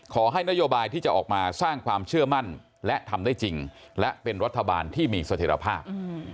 ขอให้นโยบายที่จะออกมาสร้างความเชื่อมั่นและทำได้จริงและเป็นรัฐบาลที่มีเสถียรภาพ